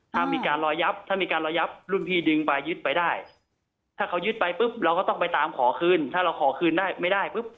ถ้ามีการรอยยับถ้ามีการระยับรุ่นพี่ดึงไปยึดไปได้ถ้าเขายึดไปปุ๊บเราก็ต้องไปตามขอคืนถ้าเราขอคืนได้ไม่ได้ปุ๊บ